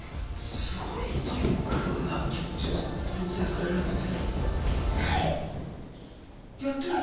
すごいストイックな気持ちを養成されるんですね。